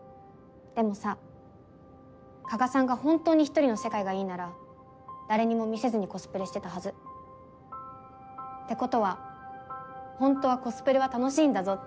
でもさ加賀さんが本当に１人の世界がいいなら誰にも見せずにコスプレしてたはず。ってことはホントはコスプレは楽しいんだぞって